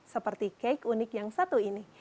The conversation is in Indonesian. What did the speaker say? seperti cake unik yang satu ini